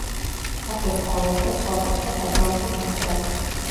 აქვე სწავლობდა სხვადასხვა საკრავზე დაკვრას.